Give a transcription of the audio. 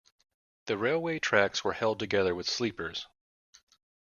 The railway tracks were held together with sleepers